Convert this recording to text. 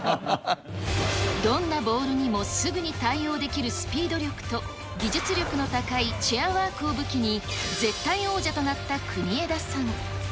どんなボールにもすぐに対応できるスピード力と、技術力の高いチェアワークを武器に、絶対王者となった国枝さん。